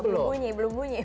belum bunyi belum bunyi